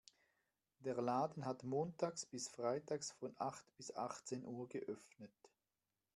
Der Laden hat montags bis freitags von acht bis achtzehn Uhr geöffnet.